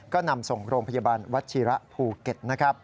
ก็นำส่งโรงพยาบาลวัชเชียระภูเก็ต